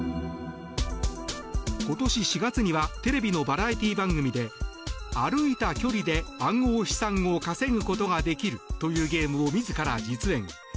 今年４月にはテレビのバラエティー番組で歩いた距離で暗号資産を稼ぐことができるというゲームを自ら実演。